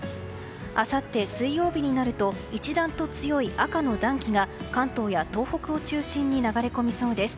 あさって水曜日になると一段と強い赤の暖気が関東や東北を中心に流れ込みそうです。